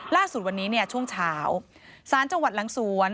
ล่าสุดวันนี้เนี่ยช่วงเช้าสารจังหวัดหลังสวน